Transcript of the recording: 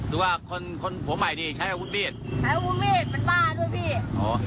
แล้วคนเนี่ยผัวเก่านี่ใช้อาวุธอะไรครับ